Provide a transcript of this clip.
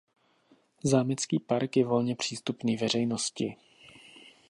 Zámecký park je volně přístupný veřejnosti.